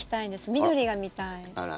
緑が見たい。